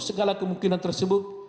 segala kemungkinan tersebut